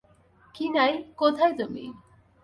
কিনাই, কোথায় তুমি?